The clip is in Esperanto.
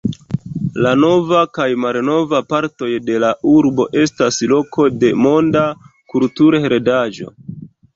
La nova kaj malnova partoj de la urbo estas loko de Monda kulturheredaĵo.